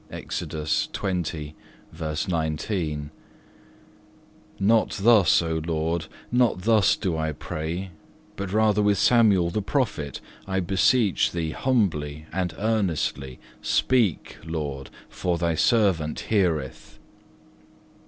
(3) Not thus, O Lord, not thus do I pray, but rather with Samuel the prophet, I beseech Thee humbly and earnestly, Speak, Lord, for Thy servant heareth.